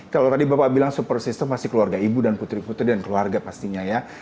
kalau tadi bapak bilang super system pasti keluarga ibu dan putri putri dan keluarga pastinya ya